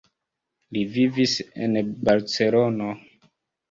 Li vivis en Barcelono.